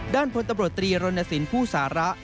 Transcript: พลตำรวจตรีรณสินผู้สาระ